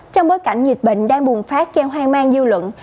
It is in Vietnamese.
trong bối cảnh dịch bệnh đang bùng phát gây hoang mang dư luận